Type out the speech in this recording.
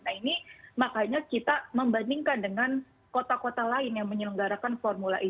nah ini makanya kita membandingkan dengan kota kota lain yang menyelenggarakan formula e